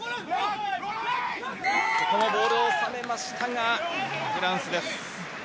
ボールを収めましたがフランスです。